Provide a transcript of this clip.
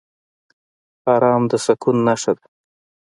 ارام د سکون نښه ده.